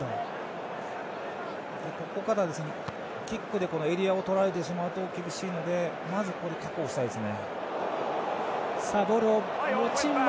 ここからキックでエリアを取られてしまうと厳しいので、まず確保したいです。